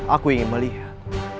aku ingin melihat